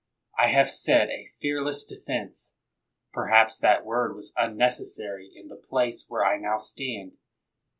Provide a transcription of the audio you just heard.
I have said a fearless defense. Perhaps that word was unnecessary m the place where I now stand.